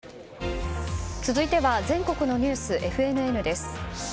続いては全国のニュースＦＮＮです。